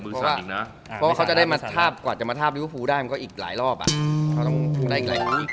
เพราะว่าเขาจะได้มาทาบกว่าจะมาทาบริวภูได้มันก็อีกหลายรอบอะ